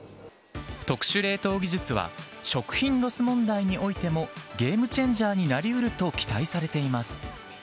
特殊冷凍技術は、食品ロス問題においても、ゲームチェンジャーになりうると期待されています。